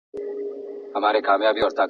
دوی به زموږ ملګري وي.